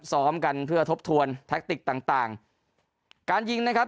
ซ้อมกันเพื่อทบทวนแท็กติกต่างต่างการยิงนะครับ